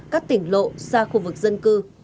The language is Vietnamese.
các tỉnh lộ xa khu vực dân cư